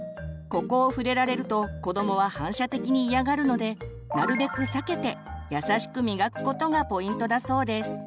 ここを触れられると子どもは反射的に嫌がるのでなるべく避けて優しく磨くことがポイントだそうです。